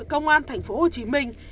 công an thành phố hồ chí minh